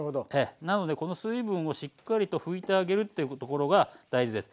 なのでこの水分をしっかりと拭いてあげるっていうところが大事です。